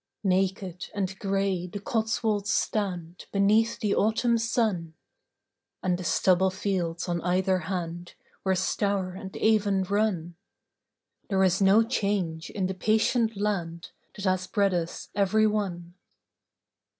Naked and grey the Cotswolds stand Before Beneath the autumn sun, Edgehill And the stubble fields on either hand October Where Stour and Avon run, 1642. There is no change in the patient land That has bred us every one.